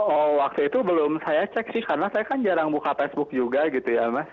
oh waktu itu belum saya cek sih karena saya kan jarang buka facebook juga gitu ya mas